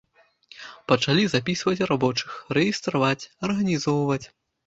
Пачалі запісваць рабочых, рэестраваць, арганізоўваць.